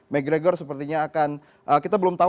mcgregor sepertinya akan kita belum tahu